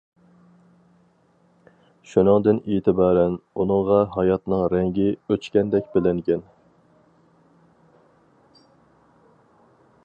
شۇنىڭدىن ئېتىبارەن ئۇنىڭغا ھاياتنىڭ رەڭگى ئۆچكەندەك بىلىنگەن.